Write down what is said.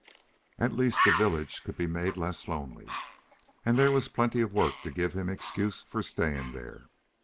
At least the village could be made less lonely. And there was plenty of work to give him excuse for staying there.